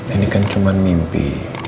ini kan cuman mimpi